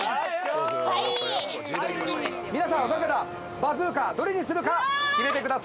皆さんバズーカどれにするか決めてください。